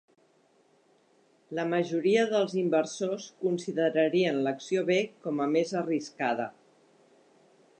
La majoria dels inversors considerarien l'acció B com a més arriscada.